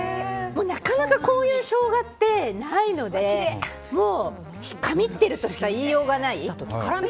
なかなかこういうショウガってないので神ってるとしか言いようがない。